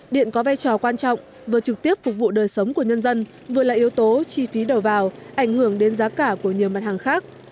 điện có vai trò quan trọng vừa trực tiếp phục vụ đời sống của nhân dân vừa là yếu tố chi phí đầu vào ảnh hưởng đến giá cả của nhiều mặt hàng khác